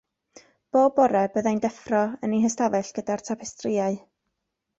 Bob bore byddai'n deffro yn ei hystafell gyda'r tapestrïau.